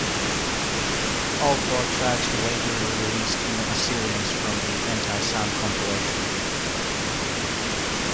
All four tracks were later re-released on the Oscillons from the Anti-Sun compilation.